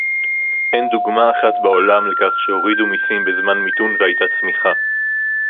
אין דוגמה אחת בעולם לכך שהורידו מסים בזמן מיתון והיתה צמיחה